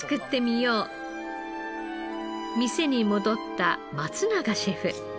店に戻った松永シェフ。